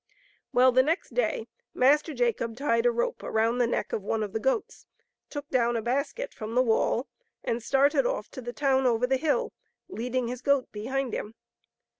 Well, the next day Master Jacob tied a rope around the neck of one of the goats, took down a basket from the wall, and started off to the town over the hill, leading his goat behind him.